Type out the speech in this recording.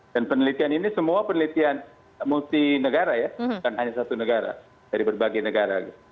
dan penelitian ini semua penelitian multi negara ya bukan hanya satu negara dari berbagai negara